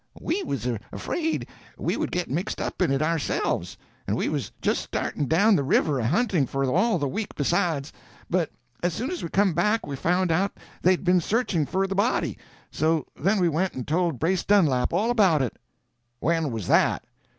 "We was afraid we would get mixed up in it ourselves. And we was just starting down the river a hunting for all the week besides; but as soon as we come back we found out they'd been searching for the body, so then we went and told Brace Dunlap all about it." "When was that?"